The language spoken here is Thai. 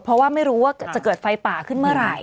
เพราะว่าไม่รู้ว่าจะเกิดไฟป่าขึ้นเมื่อไหร่